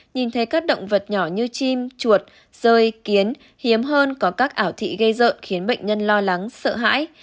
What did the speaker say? nhìn thấy các động vật nhỏ như chim chuột rơi kiến hiếm hơn có các ảo thị gây rợn khiến bệnh nhân lo lắng sợ hãi